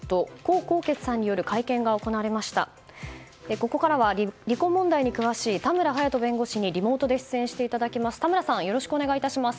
ここからは、離婚問題に詳しい田村勇人弁護士にリモートで出演していただきます。